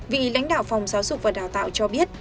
vị lãnh đạo phòng giáo dục và đào tạo cho biết